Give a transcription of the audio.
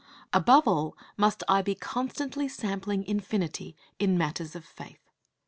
Above all must I be constantly sampling infinity in matters of faith.